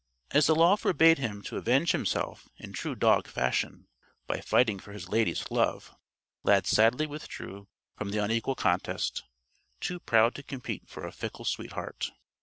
As the Law forbade him to avenge himself in true dog fashion by fighting for his Lady's love, Lad sadly withdrew from the unequal contest, too proud to compete for a fickle sweetheart.